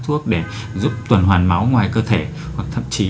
thuốc để giúp tuần hoàn máu ngoài cơ thể hoặc thậm chí